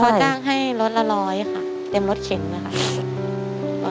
เขาจ้างให้รถละร้อยค่ะเต็มรถเข็นนะคะ